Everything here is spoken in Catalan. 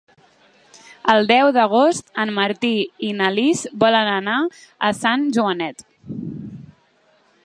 El deu d'agost en Martí i na Lis volen anar a Sant Joanet.